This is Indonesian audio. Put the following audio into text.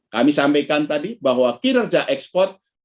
kami sampaikan tadi bahwa kinerja ekspor